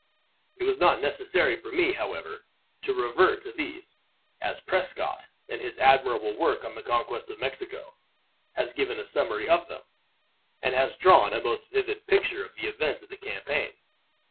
It was not necessary for me, however, to revert to these; as Prescott, in his admirable work on the conquest of Mexico, has given a summary of them; and has drawn a most vivid picture of the events of the campaign.